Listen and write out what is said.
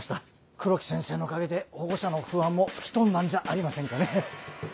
黒木先生のおかげで保護者の不安も吹き飛んだんじゃありませんかね。